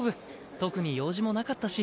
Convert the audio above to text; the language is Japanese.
特に用事もなかったし。